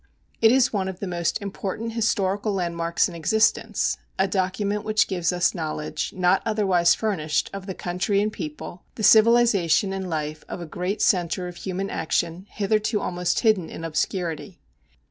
It is one of the most important historical landmarks in existence, a document which gives us knowledge not otherwise furnished of the country and people, the civilization and life of a great centre of human action hitherto almost hidden in obscurity.